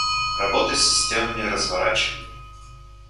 Работа с системами разворачивания